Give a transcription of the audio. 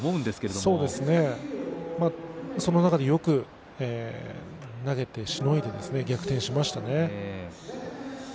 その中でよく投げて、しのいで逆転しましたね。